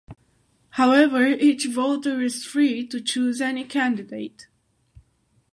However, each voter is free to choose any candidate.